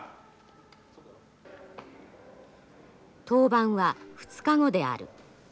登板は２日後である。